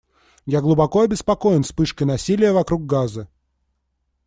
Я глубоко обеспокоен вспышкой насилия вокруг Газы.